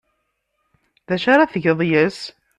D acu ara tgeḍ yes-s?